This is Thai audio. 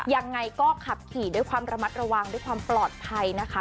ยังไงก็ขับขี่ด้วยความระมัดระวังด้วยความปลอดภัยนะคะ